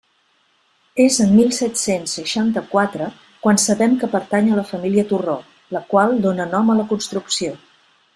És en mil set-cents seixanta-quatre quan sabem que pertany a la família Torró, la qual dóna nom a la construcció.